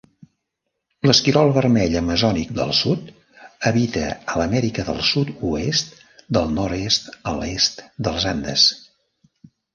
L'esquirol vermell amazònic del sud habita a l'Amèrica del Sud-oest del nord-est a l'est dels Andes.